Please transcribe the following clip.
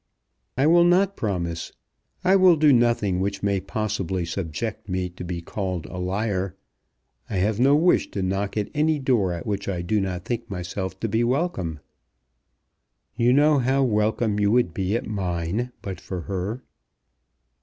"I will not promise. I will do nothing which may possibly subject me to be called a liar. I have no wish to knock at any door at which I do not think myself to be welcome." "You know how welcome you would be at mine, but for her."